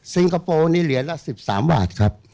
คโปร์นี่เหรียญละ๑๓บาทครับ